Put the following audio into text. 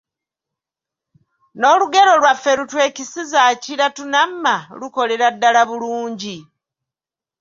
Ng'olugero lwaffe, lu "Twekisize akira tunamma", lukolera ddala bulungi.